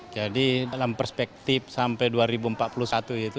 jadi dalam perspektif sampai dua ribu empat puluh satu itu